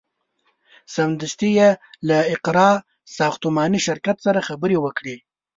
سمدستي یې له اقراء ساختماني شرکت سره خبرې وکړې.